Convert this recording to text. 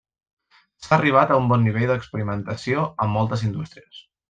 S'ha arribat a un bon nivell d'experimentació en moltes indústries.